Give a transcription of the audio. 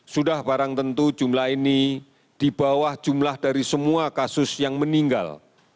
sudah barang tentu jumlah ini di bawah jumlah dari semua kasus yang meninggal